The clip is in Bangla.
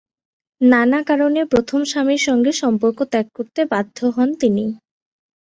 নানা কারণে প্রথম স্বামীর সংগে সম্পর্ক ত্যাগ করতে বাধ্য হন তিনি।